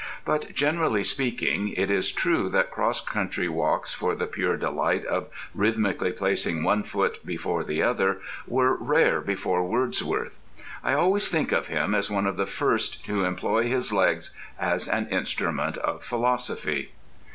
But generally speaking, it is true that cross country walks for the pure delight of rhythmically placing one foot before the other were rare before Wordsworth. I always think of him as one of the first to employ his legs as an instrument of philosophy.